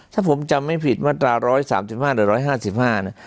ถ้าผมจำให้ผิดมาตราร้อยสามสิบห้าหรือร้อยห้าสิบห้านะ